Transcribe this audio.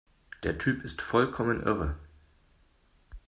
Der Typ ist vollkommen irre!